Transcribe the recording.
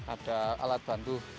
ada alat bantu